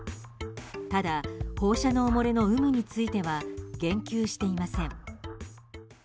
ただ放射能漏れの有無については言及していません。